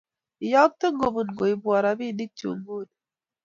Iyokten kobo kuibwon robinikchu nguni